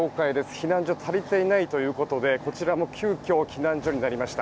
避難所足りていないということでこちらも急きょ避難所になりました。